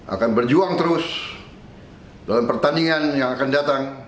akan berjuang terus dalam pertandingan yang akan datang